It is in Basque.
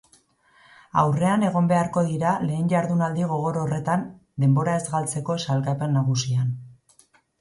Aurrean egon beharko dira lehen jardunaldi gogor horretan denbora ez galtzeko sailkapen nagusian.